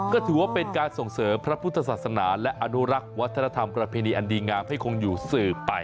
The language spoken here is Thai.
ก็ถือว่าเป็นการส่งเสริมพระพุทธศาสนาและอนุรักษ์วัฒนธรรมประเพณีอันดีงามให้คงอยู่สืบไป